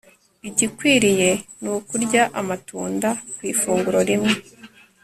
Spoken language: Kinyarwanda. Igikwiriye ni ukurya amatunda ku ifunguro rimwe